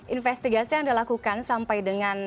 investigasi yang dilakukan sampai dengan